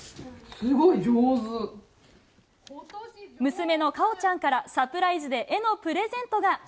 娘の果緒ちゃんから、サプライズで絵のプレゼントが。